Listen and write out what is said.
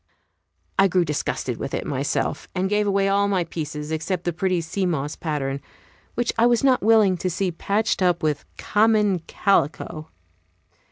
I grew disgusted with it myself, and gave away all my pieces except the pretty sea moss pattern, which I was not willing to see patched up with common calico.